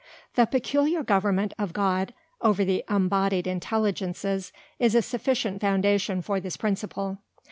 The peculiar Government of God, over the unbodied Intelligences, is a sufficient Foundation for this Principle.